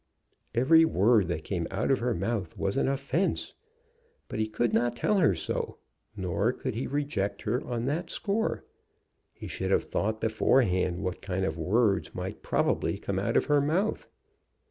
Every word that came out of her mouth was an offence. But he could not tell her so; nor could he reject her on that score. He should have thought beforehand what kind of words might probably come out of her mouth.